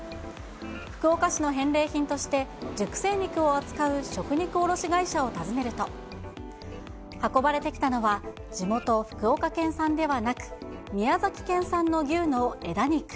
福岡市の返礼品として、熟成肉を扱う食肉卸会社を訪ねると、運ばれてきたのは、地元、福岡県産ではなく、宮崎県産の牛の枝肉。